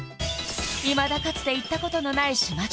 いまだかつて行ったことのない島忠